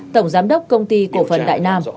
tổng giám đốc công ty cổ phần đại nam